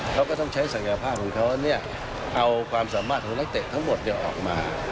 เขาก็ต้องใช้ศักยภาพของเขาเอาความสามารถของนักเตะทั้งหมดออกมา